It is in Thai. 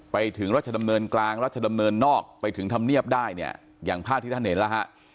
ไปถึงรัชดำเนินกลางรัชดำเนินนอกไปถึงธรรมเนียบได้เนี่ยอย่างภาพที่ท่านเห็นแล้วฮะ